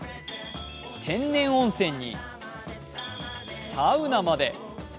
天然温泉に、サウナまで。